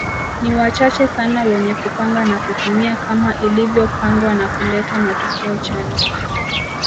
Ni wachache sana wenye kupanga na kutumia kama ilivyopangwa na kuleta matokeo chanya